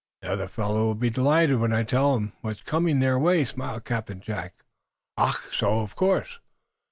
"The other fellows will be delighted when I tell 'em what's coming their way," smiled Captain Jack. "Ach! So? Of course."